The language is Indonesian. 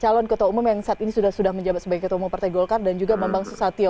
calon ketua umum yang saat ini sudah menjabat sebagai ketua umum partai golkar dan juga bambang susatyo